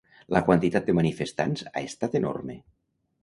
La quantitat de manifestants ha estat enorme.